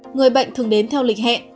người bệnh thường đến theo lịch hẹn